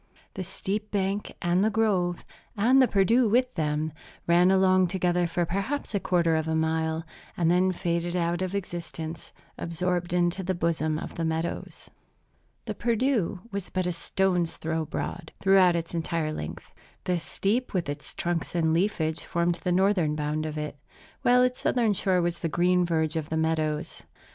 The steep bank, and the grove, and the Perdu with them, ran along together for perhaps a quarter of a mile, and then faded out of existence, absorbed into the bosom of the meadows. The Perdu was but a stone's throw broad, throughout its entire length. The steep with its trunks and leafage formed the northern bound of it; while its southern shore was the green verge of the meadows.